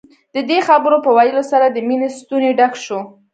د دې خبرو په ويلو سره د مينې ستونی ډک شو.